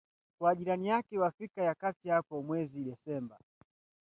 kwa jirani yake wa Afrika ya kati hapo mwezi Desemba